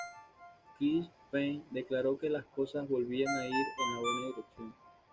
Chris Paine declaró que "las cosas volvían a ir en la buena dirección.